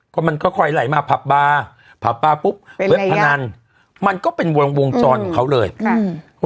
ก็มันค่อยไหลมาพับบาร์และใหระพันมันก็เป็นวงวงจอนเขาเลยอืม